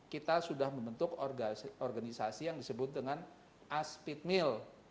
kita sudah membentuk organisasi yang disebut dengan aspid mill